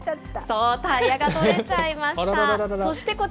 そう、タイヤが取れちゃいました。